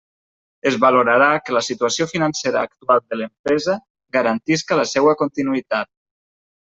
Es valorarà que la situació financera actual de l'empresa garantisca la seua continuïtat.